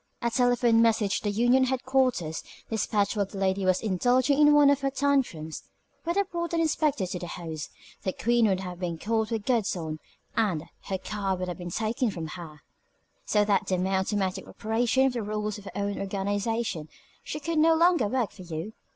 A telephone message to the union headquarters, despatched while the lady was indulging in one of her tantrums, would have brought an inspector to the house, the queen would have been caught with the goods on, and her card would have been taken from her, so that by the mere automatic operation of the rules of her own organization she could no longer work for you.